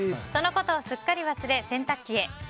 そのことをすっかり忘れ洗濯機へ。